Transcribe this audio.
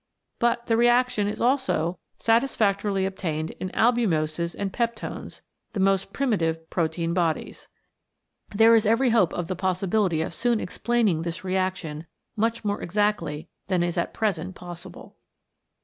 But the reaction is also satisfactorily CHEMICAL PHENOMENA IN LIFE obtained in albumoses and peptones, the most primitive protein bodies. There is every hope of the possibility of soon explaining this reaction much more exactly than is at present possible.